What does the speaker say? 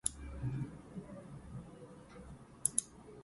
Astronauts get to witness breathtaking views of the Earth from space.